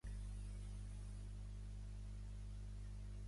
Doncs escriure —va provocar un nou pic pic pic—.